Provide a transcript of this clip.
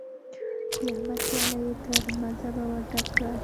د احمد پياله يې تر مذبه ور ډکه کړه.